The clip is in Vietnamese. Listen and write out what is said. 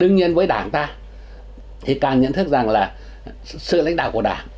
đương nhiên với đảng ta thì càng nhận thức rằng là sự lãnh đạo của đảng